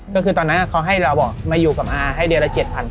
ก็คือตอนนั้นเขาให้เราบอกมาอยู่กับอาให้เดือนละ๗๐๐